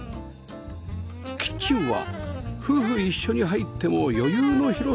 キッチンは夫婦一緒に入っても余裕の広さですね